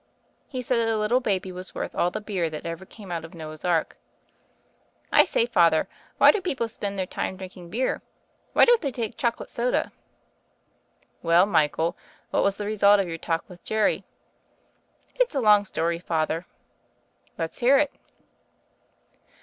He said that a little baby was worth all the beer that ever came out of Noah's ark. "I say. Father, why do people spend their time drinking beer? Why don't they take choco late soda?" "Well, Michael what was the result of your talk with Jerry?" "It's a long story, Father." "Let's hear it."